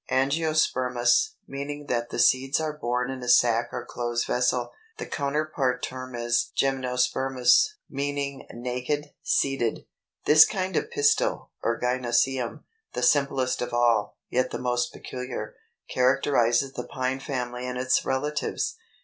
Angiospermous, meaning that the seeds are borne in a sac or closed vessel. The counterpart term is Gymnospermous, meaning naked seeded. This kind of pistil, or gynœcium, the simplest of all, yet the most peculiar, characterizes the Pine family and its relatives.